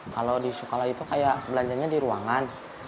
kalau di sekolah itu kayak belanjanya di ruangan